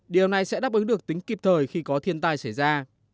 điều này sẽ đáp ứng được tính kịp thời khi có thiên tai xảy ra